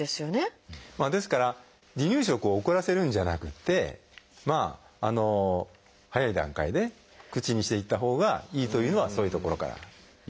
ですから離乳食を遅らせるんじゃなくて早い段階で口にしていったほうがいいというのはそういうところからいうんですね。